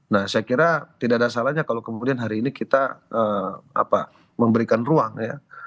nah saya kira tidak ada salahnya kalau kemudian hari ini kita memberikan ruang ya